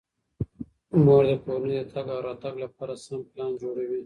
مور د کورنۍ د تګ او راتګ لپاره سم پلان جوړوي.